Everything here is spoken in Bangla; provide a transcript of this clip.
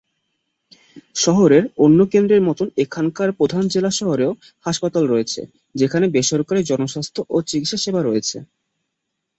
শহরের অন্যান্য কেন্দ্রের মত এখানকার প্রধান জেলা শহরেও হাসপাতাল রয়েছে, যেখানে বেসরকারি ও জনস্বাস্থ্য ও চিকিৎসা সেবা রয়েছে।